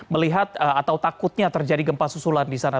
melihat atau takutnya terjadi gempa susulan di sana